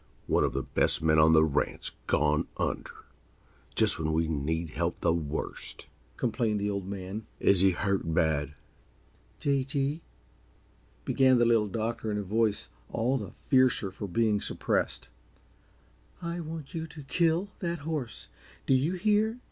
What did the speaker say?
"One of the best men on the ranch gone under, just when we need help the worst!" complained the Old Man. "Is he hurt bad?" "J. G.," began the Little Doctor in a voice all the fiercer for being suppressed, "I want you to kill that horse. Do you hear?